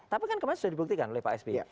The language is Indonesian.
tapi kan kemarin sudah dibuktikan oleh pak sby